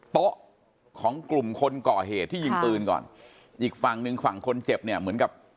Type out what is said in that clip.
โต๊ะของกลุ่มคนก่อเหตุที่ยิงปืนก่อนอีกฝั่งหนึ่งฝั่งคนเจ็บเนี่ยเหมือนกับ